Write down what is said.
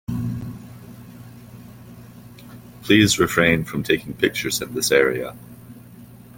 Please refrain from taking pictures in this area.